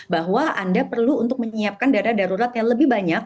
bahwa anda perlu untuk menyiapkan dana darurat yang lebih banyak